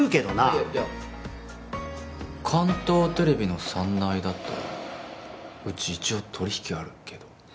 いやいや関東テレビのサンナイだったらうち一応取り引きあるけど。